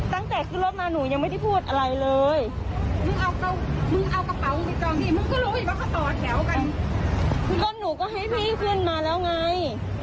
ตั้งแต่โครดมาหนูยังไม่ได้พูดอะไรเลย